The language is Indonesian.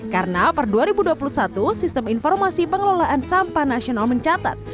karena per dua ribu dua puluh satu sistem informasi pengelolaan sampah nasional mencatat